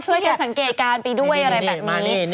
ก็ช่วยกันสังเกตการณ์ไปด้วยอะไรแบบนี้